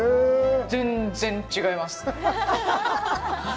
全然違います。